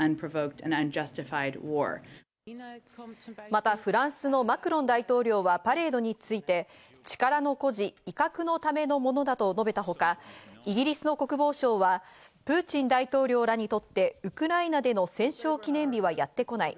またフランスのマクロン大統領はパレードについて力の誇示、威嚇のためのものだと述べたほか、イギリスの国防相はプーチン大統領らにとってウクライナでの戦勝記念日はやってこない。